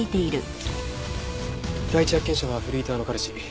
第一発見者はフリーターの彼氏。